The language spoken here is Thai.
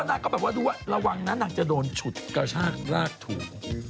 นางก็แบบว่าดูว่าระวังนะนางจะโดนฉุดกระชากลากถูก